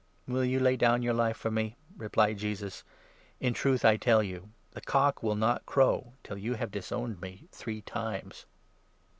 " Will you lay down your life for me ?" replied Jesus. " In 38 truth I tell you, the cock will not crow till you have disowned me three times.